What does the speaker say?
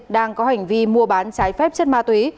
đang có hành vi mua bán trái phép chất ma túy